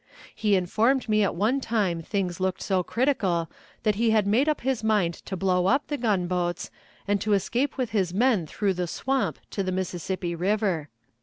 ... He informed me at one time things looked so critical that he had made up his mind to blow up the gunboats, and to escape with his men through the swamp to the Mississippi River."